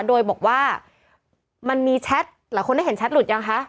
โดยบอกว่ามันมีแชทหลายคนได้เห็นแชทหลุดยังคะ